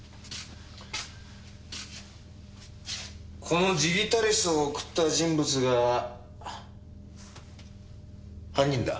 このジギタリスを贈った人物が犯人だ。